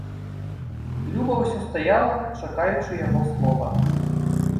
Люба ўсё стаяла, чакаючы яго слова.